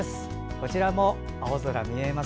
こちらも青空見えます。